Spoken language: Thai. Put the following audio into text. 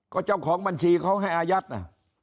ก็เจ้าของบัญชีเขาให้อายัดนะ